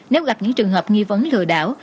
nếu gặp những trường hợp nghi vấn lừa đảo